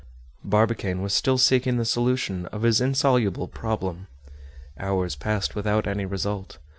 Barbicane was still seeking the solution of his insoluble problem. Hours passed without any result.